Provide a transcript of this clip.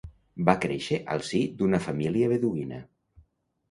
Va créixer al si d'una família beduïna.